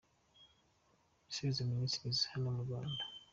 Gisubizo Ministries ya hano mu Rwanda.